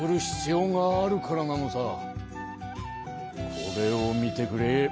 これを見てくれ。